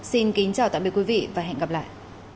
mình kính chào tạm biệt quý vị và hẹn gặp lại